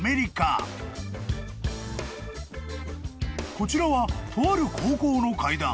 ［こちらはとある高校の階段］